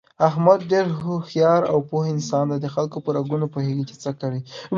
احمد ډېر هوښیار او پوه انسان دی دخلکو په رګونو پوهېږي، چې څه کوي...